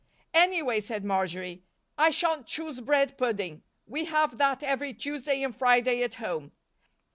"Anyway," said Marjory, "I shan't choose bread pudding. We have that every Tuesday and Friday at home.